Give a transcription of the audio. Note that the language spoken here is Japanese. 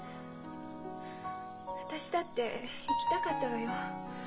私だって行きたかったわよ。